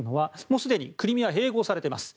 もうすでにクリミアは併合されています。